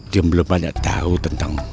dia belum ada tahu tentang